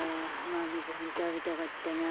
マメごはんたべたかったな。